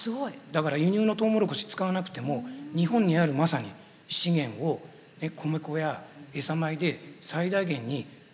だから輸入のトウモロコシ使わなくても日本にあるまさに資源を米粉やエサ米で最大限に活用すればですね